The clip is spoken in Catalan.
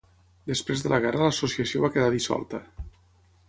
Després de la guerra, l'Associació va quedar dissolta.